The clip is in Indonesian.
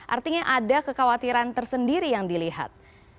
artinya ada kekhawatiran tersendiri yang dilihat